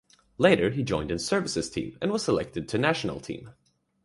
Later he joined in Services team and was selected to National team.